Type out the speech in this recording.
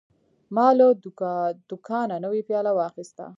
ما له دوکانه نوی پیاله واخیسته.